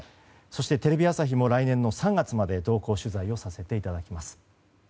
そして、テレビ朝日も来年の３月まで同行取材をさせていただきます。